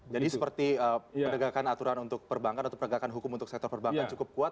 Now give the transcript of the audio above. seperti penegakan aturan untuk perbankan atau penegakan hukum untuk sektor perbankan cukup kuat